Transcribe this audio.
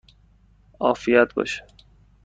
عافیت باشد!